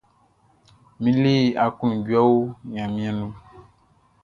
Mi le akloundjouê oh Gnanmien nou.